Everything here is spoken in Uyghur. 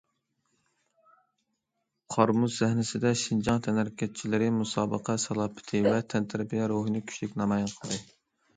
قار- مۇز سەھنىسىدە، شىنجاڭ تەنھەرىكەتچىلىرى مۇسابىقە سالاپىتى ۋە تەنتەربىيە روھىنى كۈچلۈك نامايان قىلدى.